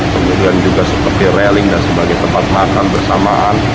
kemudian juga seperti railing dan sebagai tempat makan bersamaan